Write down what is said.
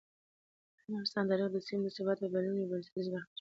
د افغانستان تاریخ د سیمې د ثبات او بدلونونو یو بنسټیزه برخه جوړوي.